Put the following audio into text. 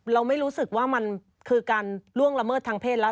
เราไม่รู้สึกว่ามันคือการล่วงละเมิดทางเพศแล้ว